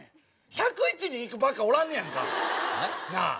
１０１人いくバカおらんねやんか。なあ。